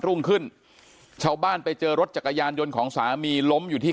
รุ่งขึ้นชาวบ้านไปเจอรถจักรยานยนต์ของสามีล้มอยู่ที่